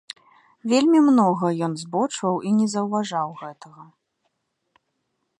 Вельмі многа ён збочваў і не заўважаў гэтага.